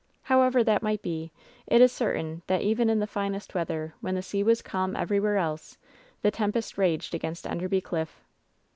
However that might be, it is certain that even in the finest weather, when the sea was calm everywhere else, the tempest raged against Enderby Cliff.